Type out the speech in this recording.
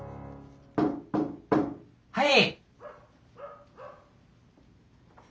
・はい！